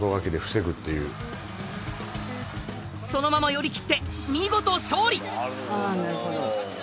そのまま寄り切って見事勝利。